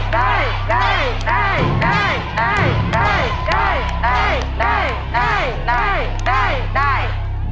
ได้ได้ได้ได้